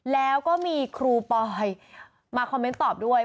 แล้วก็มีครูปอยมาคอมเมนต์ตอบด้วย